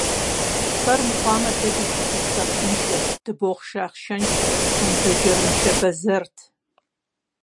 Фэр мыхъуамэ, дэ дышыдыгу шэрхъыншэт, дыбохъшэ ахъшэншэт, дысондэджэрыншэ бэзэрт…